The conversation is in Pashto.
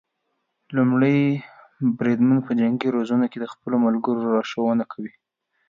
لومړی بریدمن په جنګي روزنو کې د خپلو ملګرو لارښونه کوي.